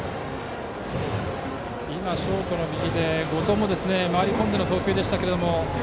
今、ショートの右で後藤も回り込んでの送球でしたけども。